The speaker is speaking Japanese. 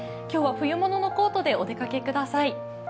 今日は冬物のコートでお出かけください。